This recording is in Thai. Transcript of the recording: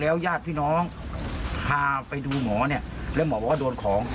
ญาติพี่น้องพาไปดูหมอเนี่ยแล้วหมอบอกว่าโดนของ